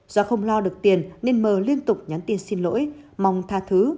do không lo được tiền nên m liên tục nhắn tin xin lỗi mong tha thứ